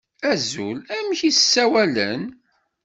Azul, amek i k-ssawalen?